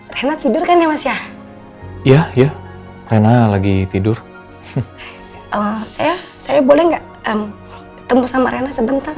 rina tidurkan ya mas ya iya iya rina lagi tidur saya saya boleh nggak em temukan maren sebentar